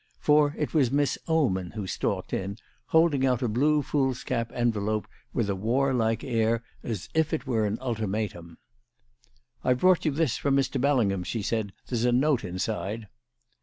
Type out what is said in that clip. For it was Miss Oman who stalked in, holding out a blue foolscap envelope with a warlike air as if it were an ultimatum. "I've brought you this from Mr. Bellingham," she said. "There's a note inside."